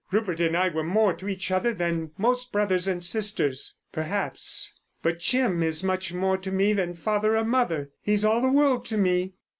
Rupert and I were more to each other than most brothers and sisters, perhaps. But Jim is more to me than father or mother. He's all the world to me."